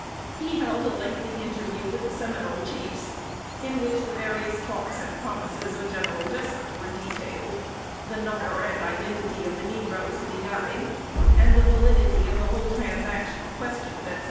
He held a lengthy interview with the Seminole chiefs, in which the various talks and promises of General Jessup were detailed, the number and identity of the negroes denied, and the validity of the whole transaction questioned, etc.